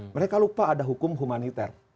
mereka lupa ada hukum humaniter